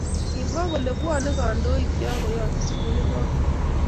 Komwa kole bwane kandoik nyo koyate suulit noto